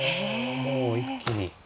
もう一気に。